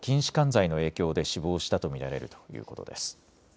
剤の影響で死亡したと見られるということです。